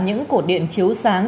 những cổ điện chiếu sáng